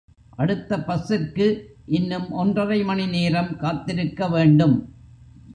அடுத்த பஸ்ஸிற்கு இன்னும் ஒன்றரை மணி நேரம் காத்திருக்க வேண்டும்.